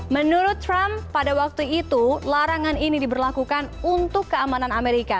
menurut trump pada waktu itu larangan ini diberlakukan untuk keamanan amerika